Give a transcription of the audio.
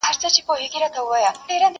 د قدرت نشه مي نه پرېږدي تر مرگه!!